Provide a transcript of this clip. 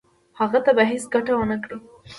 هغه ته به هیڅ ګټه ونه کړي.